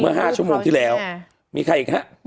๕ชั่วโมงที่แล้วมีใครอีกฮะ